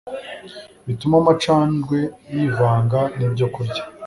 bitume amacandwe yivanga nibyokurya